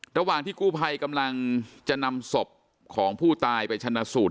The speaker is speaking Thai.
ระหว่างที่กู้ภัยกำลังจะนำศพของผู้ตายไปชนะสูตร